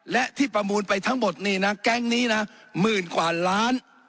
และที่ประมูลไปทั้งหมดนี่นะแก๊งนี้นะหมื่นกว่าล้าน